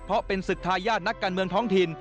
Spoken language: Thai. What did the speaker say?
เพราะเป็นศึกทายาทนักการเมืองท้องถิ่น